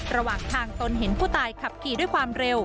ระหว่างทางตนเห็นผู้ตายขับขี่ด้วยความเร็ว